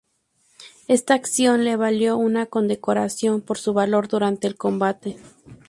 Esta acción le valió una condecoración por su valor durante el combate.